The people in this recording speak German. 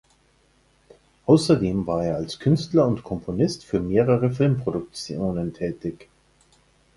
Außerdem war er als Künstler und Komponist für mehrere Filmproduktionen tätig.